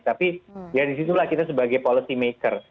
tapi ya disitulah kita sebagai policy maker